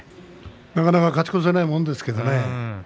なかなか勝ち越せないもんですけどね。